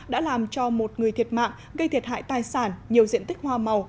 đã làm cho một người thiệt mạng gây thiệt hại tài sản nhiều diện tích hoa màu